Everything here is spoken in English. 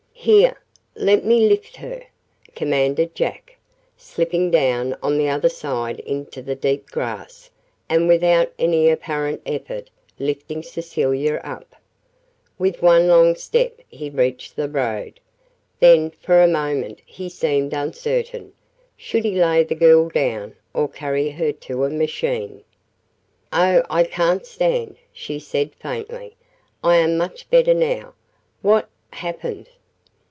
"Here! Let me lift her," commanded Jack, slipping down on the other side into the deep grass and without any apparent effort lifting Cecilia up. With one long step he reached the road. Then for a moment he seemed uncertain should he lay the girl down, or carry her to a machine? "Oh, I can stand," she said faintly. "I am much better now. What happened?"